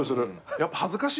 やっぱ恥ずかしいよ。